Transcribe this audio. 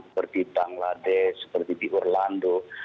seperti bangladesh seperti di orlando